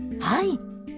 はい。